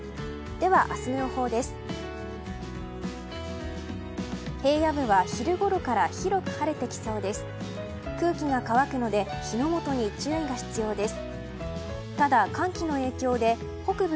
では、明日の予報です。